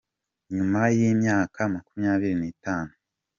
Nyuma y’imyaka makumyabiri n’itanu.